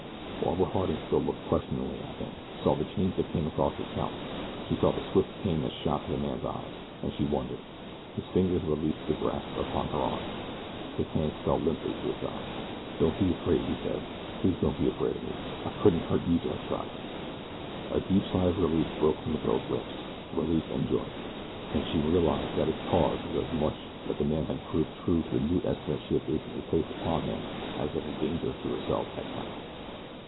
Barbara Harding, still looking questioningly at him, saw the change that came across his countenance she saw the swift pain that shot to the man's eyes, and she wondered. His fingers released their grasp upon her arm. His hands fell limply to his sides. "Don't be afraid," he said. "Please don't be afraid o' me. I couldn't hurt youse if I tried." A deep sigh of relief broke from the girl's lips relief and joy; and she realized that its cause was as much that the man had proved true to the new estimate she had recently placed upon him as that the danger to herself had passed.